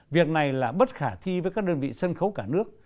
việc này là bất khả thi với các đơn vị sân khấu cả nước